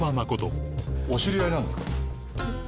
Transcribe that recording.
お知り合いなんですか？